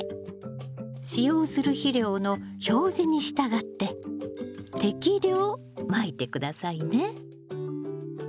使用する肥料の表示に従って適量まいて下さいね。